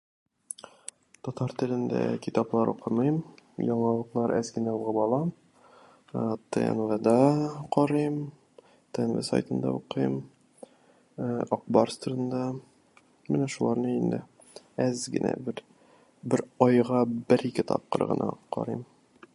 Татар телендә китаплар укымыйм. Мин аңа әз генә вакыт булам. ТНВ'да карыйм. ТНВ сайтында укыйм. Ә-ә, ак барс турында. Менә шуларны инде. Әз генә бер... бер айга бер-ике тапкыр гына карыйм.